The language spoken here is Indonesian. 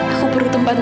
aku bersandar man